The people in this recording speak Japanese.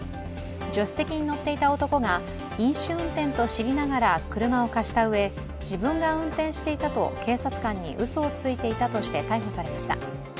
助手席に乗っていた男が飲酒運転と知りながら車を貸したうえ自分が運転していたと警察官にうそをついていたとして逮捕されました。